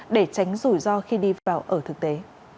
để tránh rủi ro khi đi vào ở thực tế